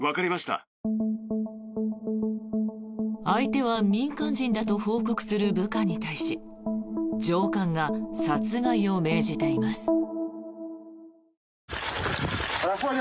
相手は民間人だと報告する部下に対し上官が殺害を命じています。